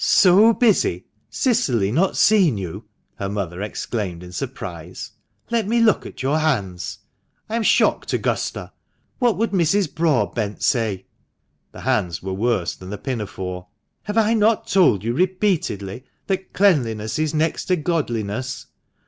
"So busy!— Cicily not seen you!" her mother exclaimed in surprise. "Let me look at your hands. I am shocked, Augusta! What would Mrs. Broadbent say?" (The hands were worse than the pinafore.) "Have I not told you repeatedly that 'cleanliness is next to godliness?'